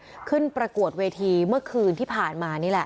ขึ้นประกวดเวทีเมื่อคืนที่ผ่านมานี่แหละ